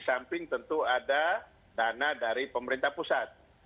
samping tentu ada dana dari pemerintah pusat